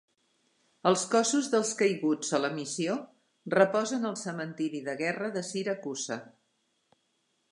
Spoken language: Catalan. Els cossos dels caiguts a la missió reposen al Cementiri de Guerra de Siracusa.